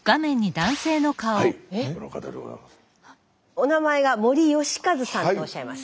お名前が森美和さんとおっしゃいます。